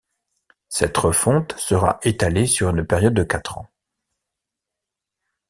Cette refonte sera étalée sur une période de quatre ans.